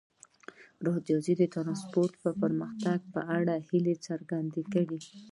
ازادي راډیو د ترانسپورټ د پرمختګ په اړه هیله څرګنده کړې.